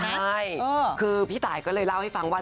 ใช่คือพี่ตายก็เลยเล่าให้ฟังว่า